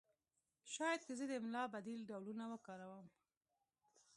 شاید که زه د املا بدیل ډولونه وکاروم